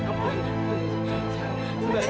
pak pak sudah